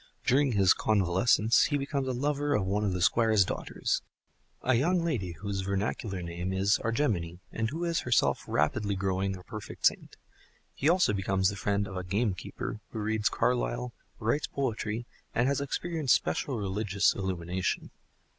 During his convalescence he becomes a lover of one of the Squire's daughters—a young lady whose vernacular name is Argemone, and who is herself rapidly growing a perfect saint. He also becomes the friend of a gamekeeper who reads Carlyle, writes poetry, and has experienced special religious illumination.